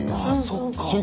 あそっか。